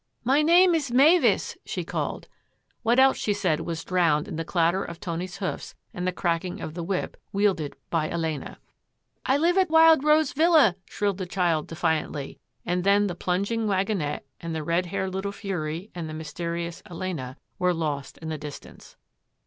" My name is Mavis —" she called. What else she said was drowned in the clatter of Tony's hoofs and the cracking of the whip, wielded by Elena. « I Kve at Wild Rose Villa !" shrilled the child defiantly, and then the plunging wagonette and the red haired little fury and the mysterious Elena were lost in the distance.